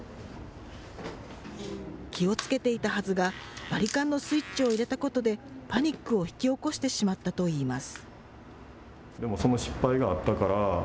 気をつけていたはずが、バリカンのスイッチを入れたことでパニックを引き起こしてしまったといいます。